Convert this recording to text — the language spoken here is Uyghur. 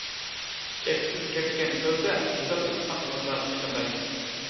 چەكسىز كەتكەن كۆلدە ھېسابسىز ئاق نۇرلار جىمىرلايتتى.